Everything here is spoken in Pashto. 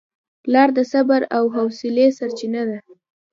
پلار د صبر او حوصلې سرچینه ده.